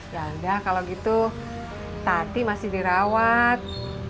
dada kalau gitu tati masih dirawat